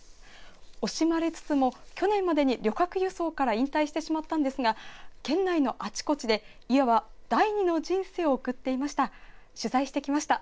惜しまれつつも去年までに旅客輸送から引退してしまったんですが県内のあちこちでいわば第２の人生を送っていました。